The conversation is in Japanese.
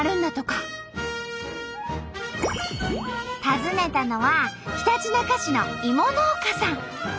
訪ねたのはひたちなか市の芋農家さん。